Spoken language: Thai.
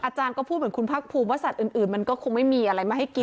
อาจารย์ก็พูดเหมือนคุณภาคภูมิว่าสัตว์อื่นมันก็คงไม่มีอะไรมาให้กิน